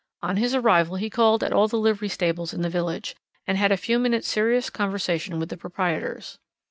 On his arrival he called at all the livery stables in the village, and had a few minutes' serious conversation with the proprietors.